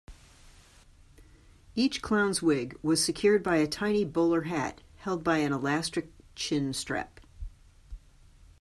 Each clown's wig was secured by a tiny bowler hat held by an elastic chin-strap.